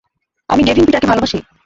আমি ডেভিন পিটারকে ভালোবাসি!